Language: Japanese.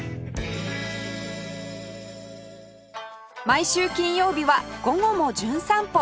毎週金曜日は『午後もじゅん散歩』